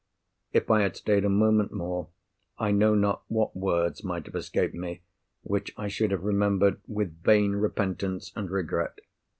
If I had stayed a moment more, I know not what words might have escaped me which I should have remembered with vain repentance and regret.